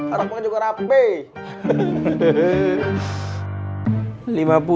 anak pang juga rape